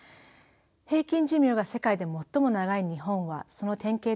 平均寿命が世界で最も長い日本はその典型的な例と言えます。